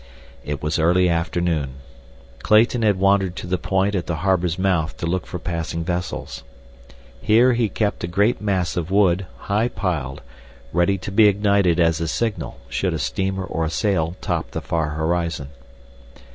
It was early afternoon. Clayton had wandered to the point at the harbor's mouth to look for passing vessels. Here he kept a great mass of wood, high piled, ready to be ignited as a signal should a steamer or a sail top the far horizon.